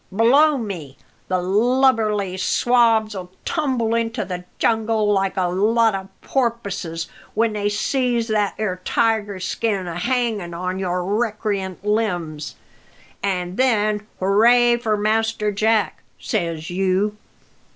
Blow me, the lubberly swabs'll tumble into the jungle like a lot o' porpoises when they sees that 'ere tiger skin a hangin' on your recreant limbs. An' then hooray for Master Jack, says you!